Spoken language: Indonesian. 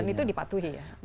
dan itu dipatuhi ya